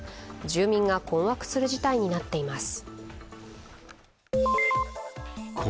住民が困惑する事態になっています。